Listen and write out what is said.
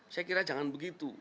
saya kira jangan begitu